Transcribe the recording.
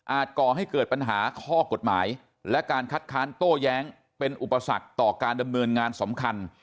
ก่อให้เกิดปัญหาข้อกฎหมายและการคัดค้านโต้แย้งเป็นอุปสรรคต่อการดำเนินงานสำคัญ